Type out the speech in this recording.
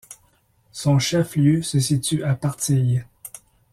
Son chef-lieu se situe à Partille.